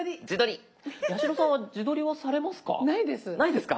八代さんは自撮りはされますか？